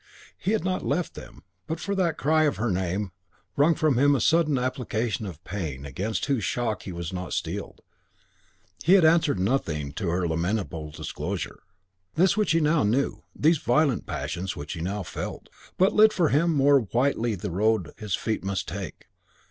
He had not left them. But for that cry of her name wrung from him by sudden application of pain against whose shock he was not steeled, he had answered nothing to her lamentable disclosure. This which he now knew, these violent passions which now he felt, but lit for him more whitely the road his feet must take.